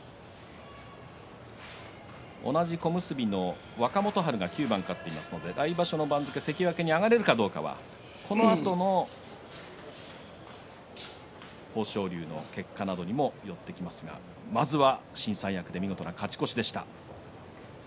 同じ小結の若元春が９番勝っていますので来場所の番付で関脇に上がれるかどうかはこのあとの豊昇龍の結果などにもよりますがまずは新三役で見事な勝利でした。